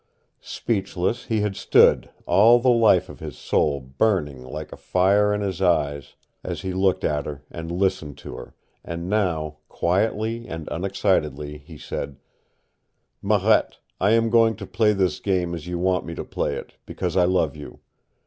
Speechless he had stood, all the life of his soul burning like a fire in his eyes as he looked at her and listened to her, and now, quietly and unexcitedly, he said: "Marette, I am going to play this game as you want me to play it, because I love you.